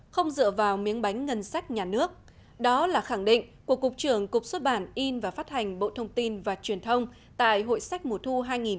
không dựa vào miếng bánh ngân sách nhà nước đó là khẳng định của cục trưởng cục xuất bản in và phát hành bộ thông tin và truyền thông tại hội sách mùa thu hai nghìn một mươi chín